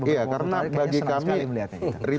kayaknya senang sekali melihatnya